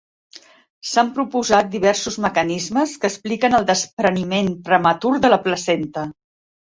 S'han proposat diversos mecanismes que expliquen el despreniment prematur de la placenta.